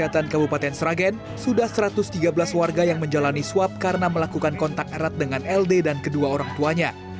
kesehatan kabupaten sragen sudah satu ratus tiga belas warga yang menjalani swab karena melakukan kontak erat dengan ld dan kedua orang tuanya